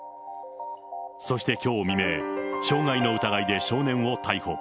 そしてきょう未明、傷害の疑いで少年を逮捕。